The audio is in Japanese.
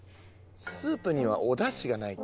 スープには「おだし」がないと。